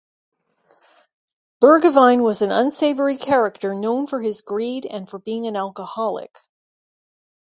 Burgevine was an unsavory character known for his greed and for being an alcoholic.